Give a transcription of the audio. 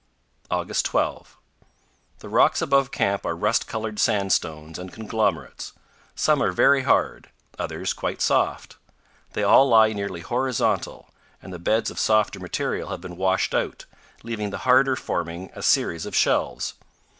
August 12. The rocks above camp are rust colored sandstones and conglomerates. Some are very hard; others quite soft. They all lie nearly horizontal, and the beds of softer material have been washed out, leaving the harder forming a series of shelves.